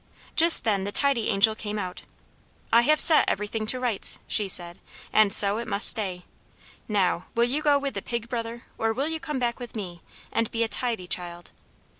Just then the Tidy Angel came out. "I have set everything to rights," she said, "and so it must stay. Now, will you go with the Pig Brother, or will you come back with me, and be a tidy child?"